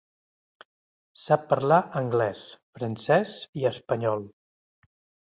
Sap parlar anglès, francès i espanyol.